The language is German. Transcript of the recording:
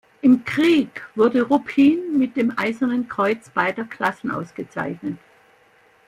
Im Krieg wurde Ruppin mit dem Eisernen Kreuz beider Klassen ausgezeichnet.